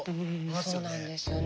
そうなんですよね。